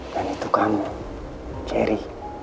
dan itu kamu jerry